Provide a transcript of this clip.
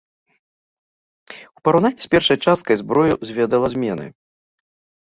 У параўнанні з першай часткай, зброю зведала змены.